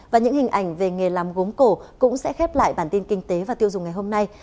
và những hình ảnh về nghề làm gốm cổ cũng sẽ khép lại bản tin kinh tế và tiêu dùng ngày hôm nay